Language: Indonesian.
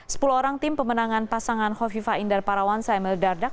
sementara itu tim pemenangan hovifa indar parawansa dan emil dardak